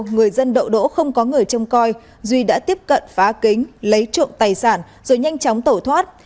người dân đậu đỗ không có người trông coi duy đã tiếp cận phá kính lấy trộm tài sản rồi nhanh chóng tẩu thoát